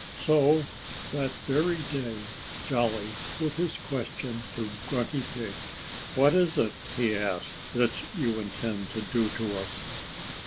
So that very day Jolly put his question to Grunty Pig. "What is it," he asked, "that you intend to do to us?"